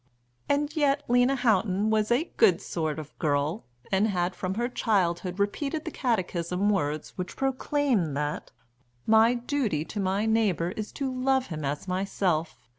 And yet Lena Houghton was a good sort of girl, and had from her childhood repeated the catechism words which proclaim that, "My duty to my neighbour is to love him as myself